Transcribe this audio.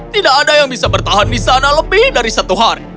tidak ada yang bisa bertahan di sana lebih dari satu hari